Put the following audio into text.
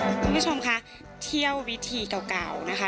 คุณผู้ชมคะเที่ยววิธีเก่านะคะ